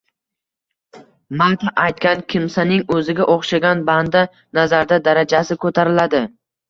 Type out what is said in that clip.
Madh aytgan kimsaning o‘ziga o‘xshagan banda nazarida darajasi ko‘tariladi.